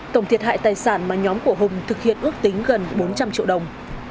tổng thiệt hại tài sản mà nhóm của hùng thực hiện ước tính gần bốn trăm linh triệu đồng